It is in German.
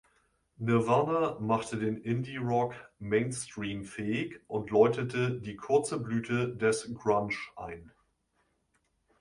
Nirvana machte den Indie-Rock Mainstream-fähig und läutete die kurze Blüte des Grunge ein.